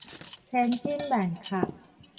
千真萬確